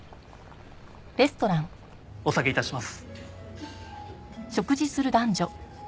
お下げ致します。